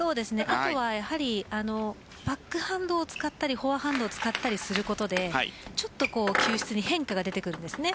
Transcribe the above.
あとはバックハンドを使ったりフォアハンドを使ったりすることでちょっと球質に変化が出てくるんですね。